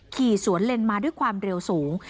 ขี่สวนเลนมาด้วยความเร็วสูง